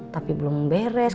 tapi belum beres